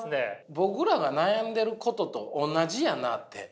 僕らが悩んでることと同じやなって。